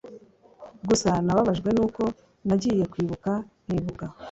gusa nababajwe nuko nagiye kwibuka nkibuka